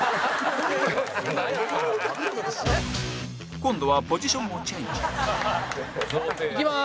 今度はポジションをチェンジ西田：いきまーす！